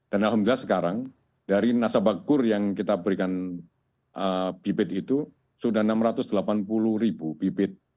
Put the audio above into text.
dan alhamdulillah sekarang dari nasabah kur yang kita berikan bibit itu sudah enam ratus delapan puluh ribu bibit